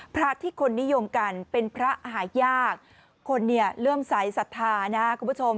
พระที่คนนิยมกันเป็นพระหายากคนเนี่ยเริ่มใสสัทธานะคุณผู้ชม